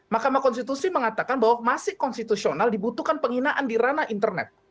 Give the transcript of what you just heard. mahkamah konstitusi mengatakan bahwa masih konstitusional dibutuhkan penghinaan di ranah internet